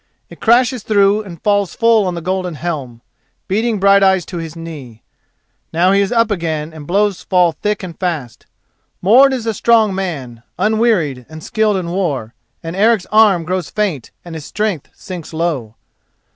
It crashes through and falls full on the golden helm, beating Brighteyes to his knee. Now he is up again and blows fall thick and fast. Mord is a strong man, unwearied, and skilled in war, and Eric's arms grow faint and his strength sinks low.